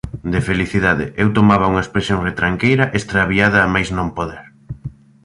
De felicidade, eu tomaba unha expresión retranqueira e extraviada a máis non poder: